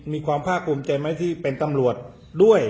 มีความภาคภูมิใจไหมที่เป็นตำรวจด้วย